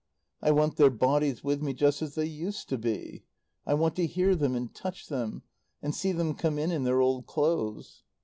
I want their bodies with me just as they used to be. I want to hear them and touch them, and see them come in in their old clothes.